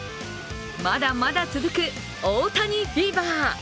まだまだ続く大谷フィーバー。